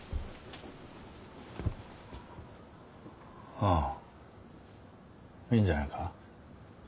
あぁいいんじゃないか？